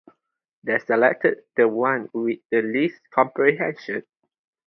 They selected the one with the least compression.